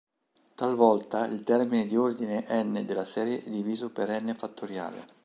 Talvolta il termine di ordine "n" della serie è diviso per "n!